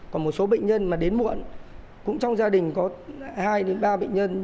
còn một số bệnh nhân mà đến muộn cũng trong gia đình có hai đến ba bệnh nhân